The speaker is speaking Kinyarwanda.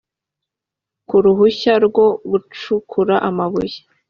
ku ruhushya rwo gucukura amabuye